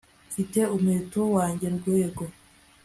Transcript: mfite umuheto wanjye Rwego